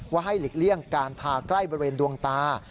ให้หลีกเลี่ยงการทาใกล้บริเวณดวงตา